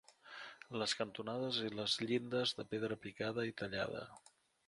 Les cantonades i les llindes de pedra picada i tallada.